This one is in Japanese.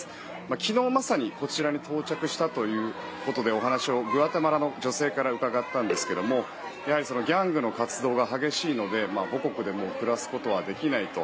昨日まさにこちらに到着したということでお話をグアテマラの女性から伺いましたがやはりギャングの活動が激しいので母国で暮らすことはできないと。